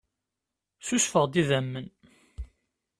Ssusfeɣ-d idammen.